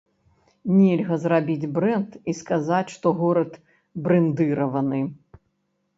Нельга зрабіць брэнд і сказаць, што горад брэндыраваны.